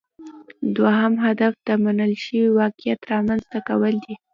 دوهم هدف د منل شوي واقعیت رامینځته کول دي